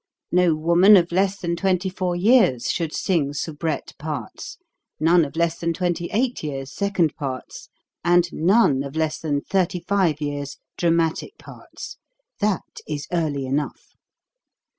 No woman of less than twenty four years should sing soubrette parts, none of less than twenty eight years second parts, and none of less than thirty five years dramatic parts; that is early enough.